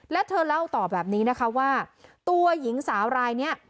และเธอเล่าต่อแบบนี้นะคะว่าตัวหญิงสาวรายนี้